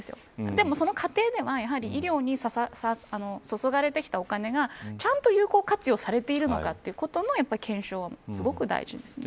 でも、その過程では医療に注がれてきたお金がちゃんと有効活用されているのかということの検証もすごく大事ですね。